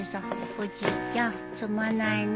おじいちゃんすまないね。